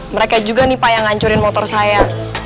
mereka juga nih pak yang ngancurin motor saya